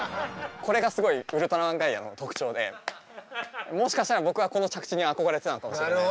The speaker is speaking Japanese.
これがすごいウルトラマンガイアの特徴でもしかしたら僕はこの着地に憧れてたのかもしれない。